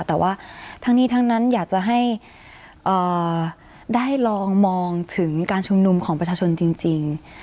แต่ว่าทั้งนี้ทั้งนั้นอยากจะให้ได้ลองมองถึงการชุมนุมของประชาชนจริง